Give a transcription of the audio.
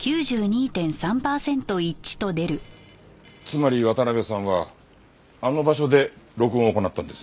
つまり渡辺さんはあの場所で録音を行ったんです。